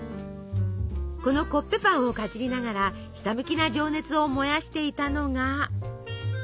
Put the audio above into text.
このコッペパンをかじりながらひたむきな情熱を燃やしていたのが。